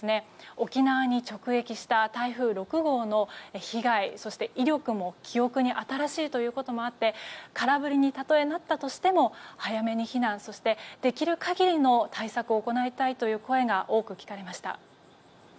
沖縄に直撃した台風６号の被害そして威力も記憶に新しいこともあって空振りに、たとえなったとしても早めに避難そして、できる限りの対策を行いたいという声が多く聞かれました。